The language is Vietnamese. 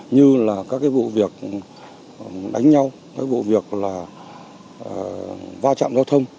như là các cái vụ việc đánh nhau các vụ việc là va chạm giao thông